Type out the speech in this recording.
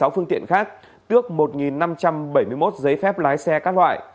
một mươi sáu phương tiện khác tước một năm trăm bảy mươi một giấy phép lái xe các loại